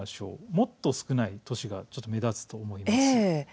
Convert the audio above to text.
もっと少ない年が目立つと思います。